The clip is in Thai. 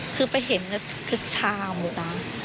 คือไปเห็นคึกชาหมดนะ